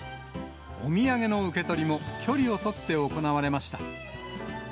お土産の受け取りも、距離を取って行われました。